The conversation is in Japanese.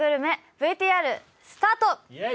ＶＴＲスタート。